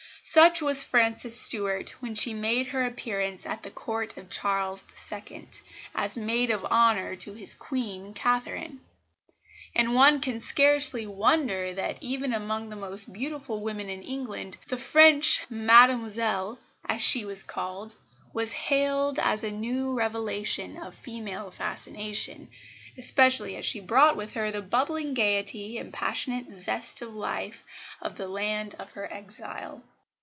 Such was Frances Stuart when she made her appearance at the Court of Charles II. as maid of honour, to his Queen, Catherine; and one can scarcely wonder that, even among the most beautiful women in England, the French "Mademoiselle," as she was called, was hailed as a new revelation of female fascination, especially as she brought with her the bubbling gaiety and passionate zest of life of the land of her exile.